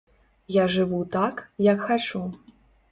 Я жыву так, як хачу.